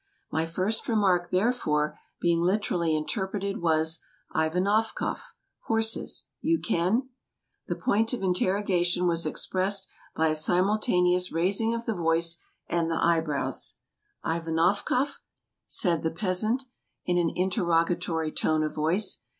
My first remark therefore, being literally interpreted, was "Ivanofka. Horses. You can?" The point of interrogation was expressed by a simultaneous rais ing of the voice and the eyebrows. 4 4 Ivanofka ?'' said the peasant, in an interrogatory tone of voice.